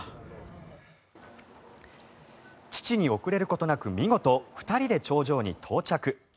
父に遅れることなく見事、２人で頂上に到着。